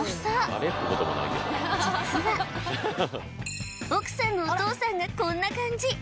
実は奥さんのお父さんがこんな感じ